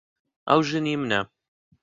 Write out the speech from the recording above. ئەو ژنی منە.